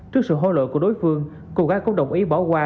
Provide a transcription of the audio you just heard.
trước sự hô lỗi của đối phương cô gái cũng đồng ý bỏ qua